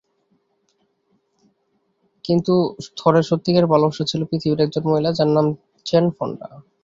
কিন্তু থরের সত্যিকারের ভালোবাসা ছিল পৃথিবীর একজন মহিলা, যার নাম জেন ফন্ডা।